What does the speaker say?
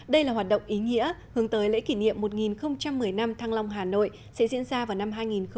đây là hoạt động ý nghĩa hướng tới lễ kỷ niệm một nghìn một mươi năm thăng long hà nội sẽ diễn ra vào năm hai nghìn hai mươi